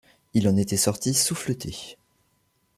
Il en était sorti souffleté.